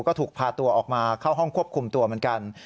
ก็ถูกพาตัวออกมาเข้าห้องควบคุมตัวเหมือนกัน